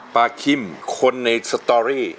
คิมคนในสตอรี่